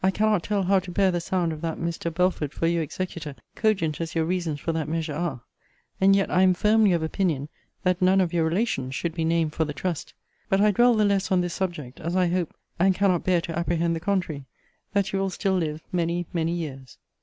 I cannot tell how to bear the sound of that Mr. Belford for your executor, cogent as your reasons for that measure are: and yet I am firmly of opinion, that none of your relations should be named for the trust. But I dwell the less on this subject, as I hope (and cannot bear to apprehend the contrary) that you will still live many, many years.